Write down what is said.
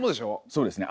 そうですね